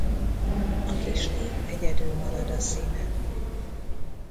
A kisfiú egyedül marad a színen.